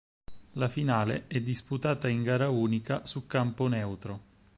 La finale è disputata in gara unica su campo neutro.